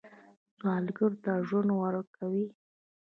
سوالګر ته ژوند ورکوئ